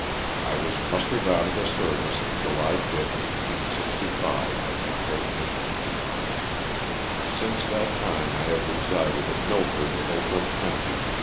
I was mustered out of the service, July 5, 1865, at Detroit, Mich. Since that time I have resided at Milford, Oakland county, Mich.